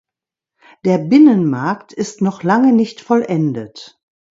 Der Binnenmarkt ist noch lange nicht vollendet.